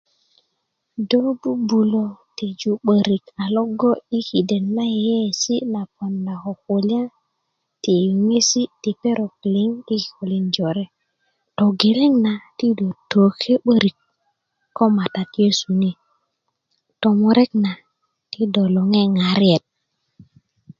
do bubulo tiju 'börik a logo i kiden na yeiyesi na ponda ko kulya ti yeŋesi ti perok liŋ i kikölin jore togeleŋ na ti do töke 'börik ko matat ni tomurek na ti do liŋe ŋariet